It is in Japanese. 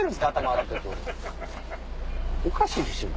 おかしいでしょ！